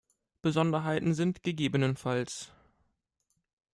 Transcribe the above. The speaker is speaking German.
Besonderheiten sind ggf.